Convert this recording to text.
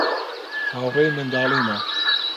هاوڕێی منداڵیمە.